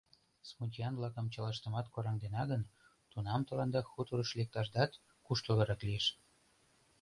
Смутьян-влакым чылаштымат кораҥдена гын, тунам тыланда хуторыш лекташдат куштылгырак лиеш.